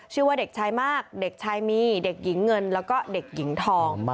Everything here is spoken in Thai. ชื่อว่าเด็กชายมากเด็กชายมีเด็กหญิงเงินแล้วก็เด็กหญิงทอง